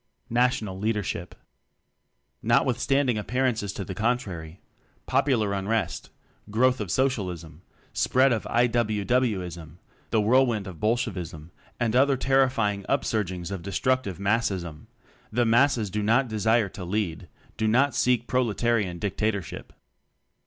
National Leadership. Notwithstanding appearances to the contrary popular unrest, growth of socialism, spread of I. W. W. ism, the whirlwind of Bolshevism and other terrifying upsurgings of de structive Massism the "Masses" do not desire to lead, do not seek "pro letarian dictatorship."